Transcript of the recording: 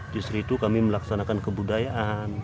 justru itu kami melaksanakan kebudayaan